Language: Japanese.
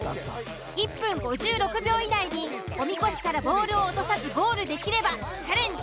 １分５６秒以内におみこしからボールを落とさずゴールできればチャレンジ